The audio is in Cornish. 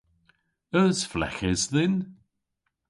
Eus fleghes dhyn?